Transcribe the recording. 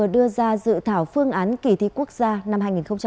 giáo dục và đào tạo vừa đưa ra dự thảo phương án kỳ thi quốc gia năm hai nghìn một mươi tám